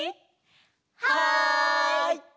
はい！